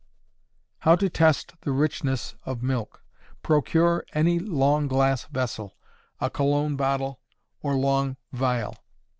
How to Test the Richness of Milk. Procure any long glass vessel a cologne bottle or long phial.